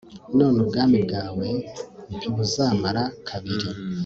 None ubwami bwawe ntibuzamara kabiri